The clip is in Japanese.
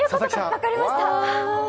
分かりました。